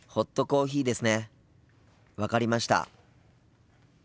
分かりました。